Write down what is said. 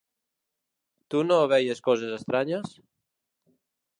Tu no veies coses estranyes?